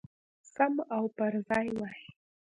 سم او پرځای وای.